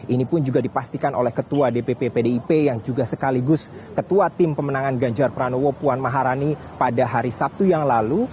ini pun juga dipastikan oleh ketua dpp pdip yang juga sekaligus ketua tim pemenangan ganjar pranowo puan maharani pada hari sabtu yang lalu